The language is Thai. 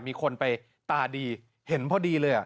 มีคนไปตาดีเห็นพอดีเลย